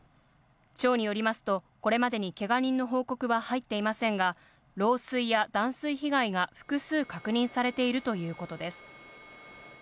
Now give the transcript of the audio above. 町によりますと、これまでにけが人の報告は入っていませんが、漏水や断水被害が複数確認されているということです。